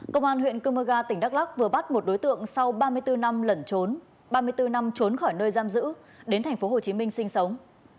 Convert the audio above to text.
công an huyện cư mơ ga tỉnh đắk lắc vừa bắt một đối tượng sau ba mươi bốn năm lẩn trốn ba mươi bốn năm trốn khỏi nơi giam giữ đến thành phố hồ chí minh sinh sống